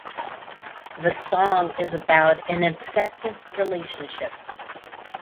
The song is about an obsessive relationship.